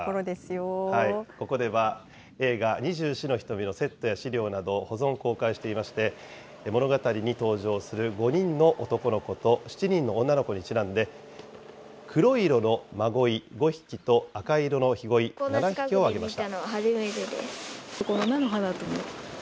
ここでは、映画、二十四の瞳のセットや資料などを保存、公開していまして、物語に登場する５人の男の子と７人の女の子にちなんで、黒い色のまごい５匹と、赤色のひごい、７匹を揚げました。